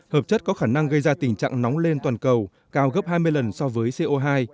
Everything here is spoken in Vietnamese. hợp chất có khả năng gây ra tình trạng nóng lên toàn cầu cao gấp hai mươi lần so với co hai